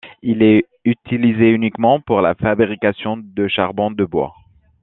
Il est utilisé uniquement pour la fabrication de charbon de bois.